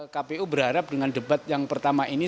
kpu berharap dengan debat yang pertama ini